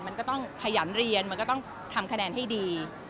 มันก็ต้องขยันเรียนมันก็ต้องทำคะแนนให้ดี